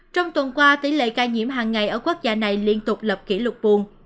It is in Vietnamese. trong tuần qua tỷ lệ ca nhiễm hàng ngày ở quốc gia này liên tục lập kỷ lục buồn